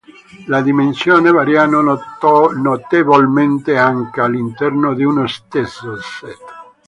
Le dimensioni variano notevolmente anche all'interno di uno stesso set.